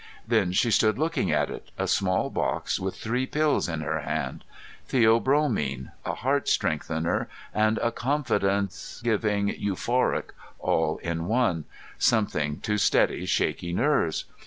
Then she stood looking at it, a small box with three pills in her hand Theobromine, a heart strengthener and a confidence giving euphoric all in one, something to steady shaky nerves.